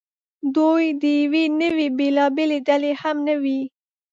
دوی د یوې نوعې بېلابېلې ډلې هم نه وې.